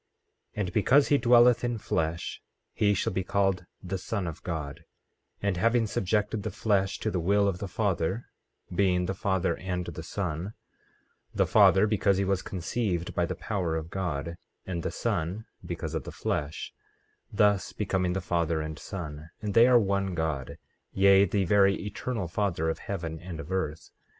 15:2 And because he dwelleth in flesh he shall be called the Son of God, and having subjected the flesh to the will of the Father, being the Father and the Son— 15:3 The Father, because he was conceived by the power of God; and the Son, because of the flesh; thus becoming the Father and Son— 15:4 And they are one God, yea, the very Eternal Father of heaven and of earth.